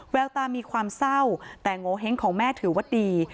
แววตามีความเศร้าแต่โงเห้งของแม่ถือว่าดี